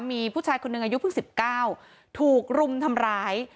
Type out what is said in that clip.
มีผู้ชายคนหนึ่งอายุเพิ่ง๑๙ถูกรุมทำร้าย